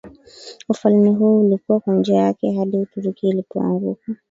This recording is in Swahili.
ufalme huo ulikua kwa njia yake hadi Uturuki ilipoanguka